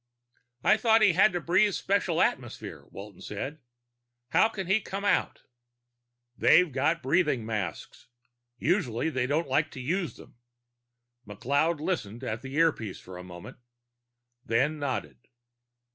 "I thought he had to breathe special atmosphere," Walton said. "How can he come out?" "They've got breathing masks. Usually they don't like to use them." McLeod listened at the earpiece for a moment, then nodded.